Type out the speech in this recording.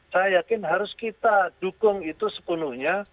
saya yakin harus kita dukung itu sepenuhnya